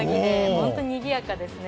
本当、にぎやかですね。